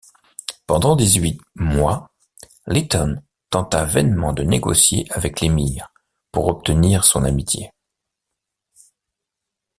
Pendant dix-huit mois, Lytton tenta vainement de négocier avec l'émir pour obtenir son amitié.